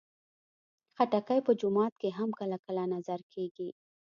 خټکی په جومات کې هم کله کله نذر کېږي.